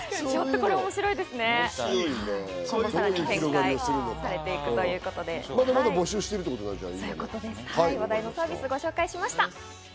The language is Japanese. これからまた展開されて行くということで、話題のサービスをご紹介しました。